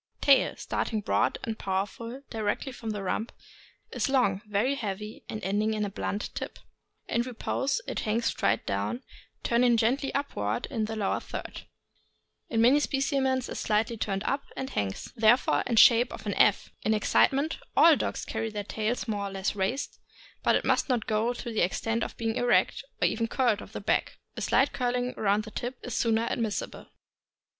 Tail. — Starting broad and powerful directly from the rump, is long, very heavy, ending in a blunt tip. In repose it hangs straight down, turning gently upward in the lower third. In many specimens is slightly turned up, and hangs, therefore, in shape of an f; in excitement all dogs ROUGH COATED ST. BERNARD— PRINCE REGENT. Owned by Mr. J. C. Anderson, Chattanooga, Tenn. carry their tails more or less raised, but it must not go to the extent of being erect, or even curled over the back; a slight curling round of the tip is sooner admissible.